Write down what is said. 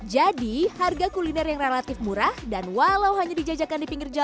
jadi harga kuliner yang relatif murah dan walau hanya dijajakan di pinggir jajanan